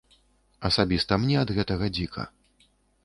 Асабіста мне ад гэтага дзіка.